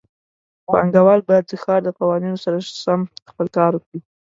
پانګهوال باید د ښار د قوانینو سره سم خپل کار وکړي.